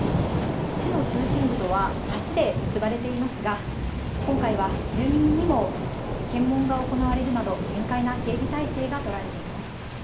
市の中心部とは橋で結ばれていますが、今回は住民にも検問が行われるなど、厳戒な警備態勢が取られています。